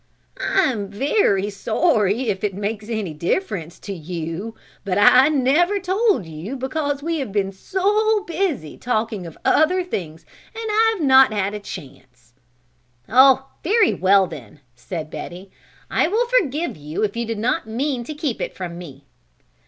"I am very sorry if it makes any difference to you, but I never told you because we have been so busy talking of other things and I have not had a chance." "Oh, very well then," said Betty, "I will forgive you if you did not mean to keep it from me."